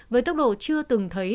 với tốc độ chưa từng thấy